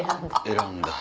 選んだ。